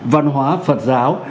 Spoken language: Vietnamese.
văn hóa phật giáo